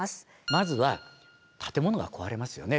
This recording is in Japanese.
まずは建物が壊れますよね